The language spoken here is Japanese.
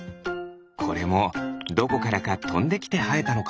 これもどこからかとんできてはえたのかな？